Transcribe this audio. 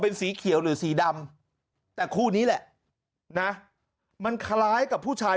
เป็นสีเขียวหรือสีดำแต่คู่นี้แหละนะมันคล้ายกับผู้ชาย